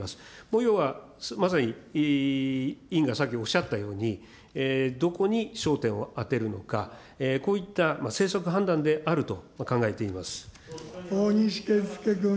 要はまさに委員がさっきおっしゃったように、どこに焦点を当てるのか、こういった政策判断である大西健介君。